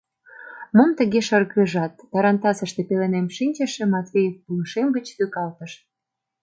— Мом тыге шыргыжат? — тарантасыште пеленем шинчыше Матвеев пулышем гыч тӱкалтыш.